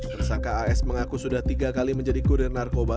persangka as mengaku sudah tiga kali menjadi kuder narkoba